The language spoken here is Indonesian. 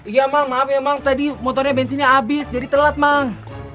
iya mang maaf ya mang tadi motornya bensinnya abis jadi telat mang